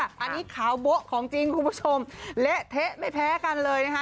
อันนี้ขาวโบ๊ะของจริงคุณผู้ชมเละเทะไม่แพ้กันเลยนะคะ